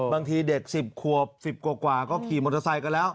บางทีเด็ก๑๐ขวบ๑๐กว่าก็ขี่มอเตอร์ไซค์กันแล้ว